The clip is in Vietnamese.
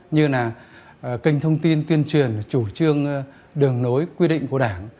như là kênh thông tin tuyên truyền chủ trương đường nối quy định của đảng